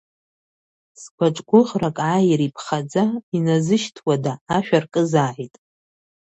Сгәаҿ гәыӷрак ааир иԥхаӡа, иназышьҭуада, ашә аркызааит!